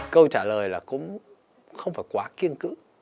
câu trả lời là cũng không phải quá kiêng